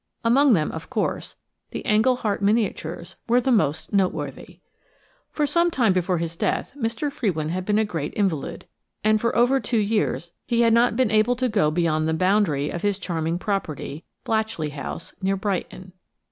Among them, of course, the Engleheart miniatures were the most noteworthy. For some time before his death Mr. Frewin had been a great invalid, and for over two years he had not been able to go beyond the boundary of his charming property, Blatchley House, near Brighton.